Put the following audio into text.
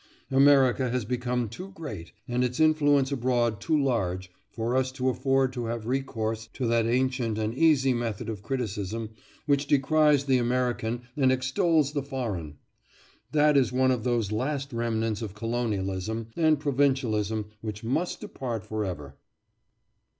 America has become too great, and its influence abroad too large, for us to afford to have recourse to that ancient and easy method of criticism which decries the American and extols the foreign. That is one of those last remnants of colonialism and provincialism which must depart forever.